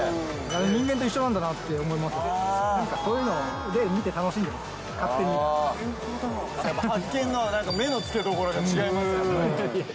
人間と一緒なんだなって思いそういうのを見て楽しんでま発見の、なんか目のつけどころが違いますよね。